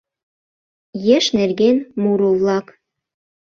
ЕШ НЕРГЕН МУРО-ВЛАК.